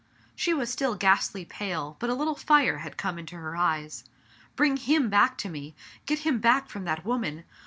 She was still ghastly pale, but a little fire had come into her eyes. " Bring him back to me, get him back from that woman.